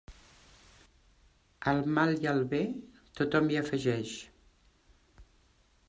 Al mal i al bé, tothom hi afegeix.